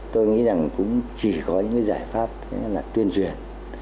tôi nghĩ rằng cũng chỉ có những giải pháp là tuyên truyền